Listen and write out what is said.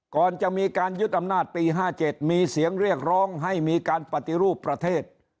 ก่อนจะมีการยึดอำนาจปี๕๗มีเสียงเรียกร้องให้มีการปฏิรูปประเทศ